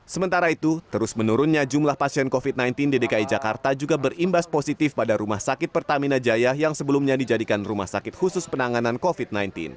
sementara itu terus menurunnya jumlah pasien covid sembilan belas di dki jakarta juga berimbas positif pada rumah sakit pertamina jaya yang sebelumnya dijadikan rumah sakit khusus penanganan covid sembilan belas